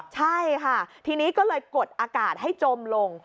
ใช่ค่ะทีนี้ก็เลยกดอากาศให้จมลง